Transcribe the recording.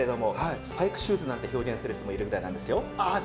スパイクシューズなんて表現する人もいるようですよ。